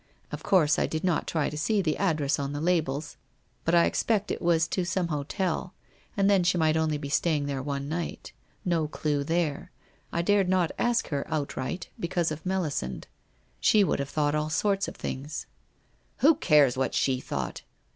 Of course I did not try to see the address on the labels, but I expect it was to some hotel, and then she might only be staying there one night. No clue there. I dared not ask her outright, because of Melisande. She would have thought all sorts of 1 1 1 i n ^r /' Who cares what she thought?